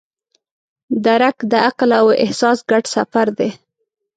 درک د عقل او احساس ګډ سفر دی.